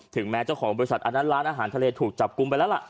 แม้เจ้าของบริษัทอันนั้นร้านอาหารทะเลถูกจับกลุ่มไปแล้วล่ะ